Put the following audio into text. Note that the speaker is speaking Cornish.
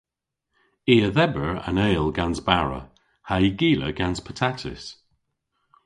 I a dheber an eyl gans bara ha'y gila gans patatys.